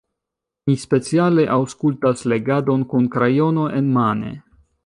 Mi speciale aŭskultas legadon kun krajono enmane.